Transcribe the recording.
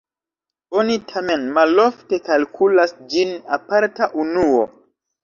Oni tamen malofte kalkulas ĝin aparta unuo.